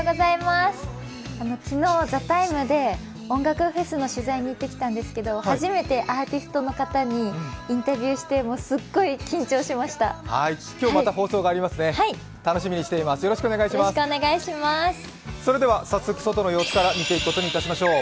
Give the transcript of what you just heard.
昨日は「ＴＨＥＴＩＭＥ，」で音楽フェスの取材にいってきたんですけど初めてアーティストの方にインタビューして、早速、外の様子から見ていくことにしましょう。